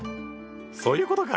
そういうことか！